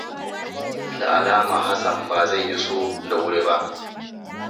Da alama Hassan ba zai iso da wuri ba.